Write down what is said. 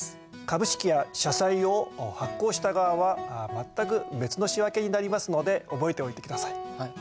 株式や社債を発行した側は全く別の仕訳になりますので覚えておいて下さい。